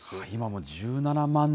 今も１７万